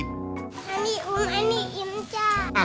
อันนี้อุ้มอันนี้อิ่มจ้า